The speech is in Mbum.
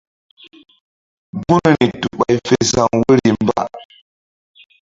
Gunri tu ɓay fe sa̧w woyri mba.